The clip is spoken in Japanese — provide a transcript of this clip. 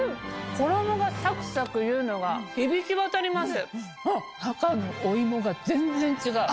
衣がサクサクいうのが響き渡ります。